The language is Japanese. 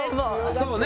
そうね。